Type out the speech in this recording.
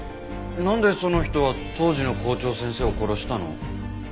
なんでその人は当時の校長先生を殺したの？